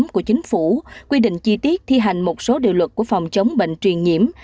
của chính phủ quy định chi tiết thi hành một số điều luật của phòng chống bệnh truyền nhiễm